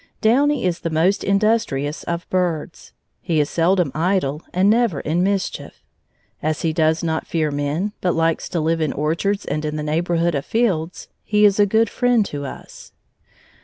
Downy is the most industrious of birds. He is seldom idle and never in mischief. As he does not fear men, but likes to live in orchards and in the neighborhood of fields, he is a good friend to us.